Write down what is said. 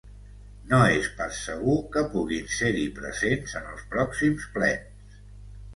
No és pas segur que puguin ser-hi presents, en els pròxims plens.